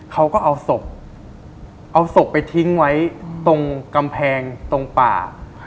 เขาก็เอาศพเอาศพไปทิ้งไว้ตรงกำแพงตรงป่า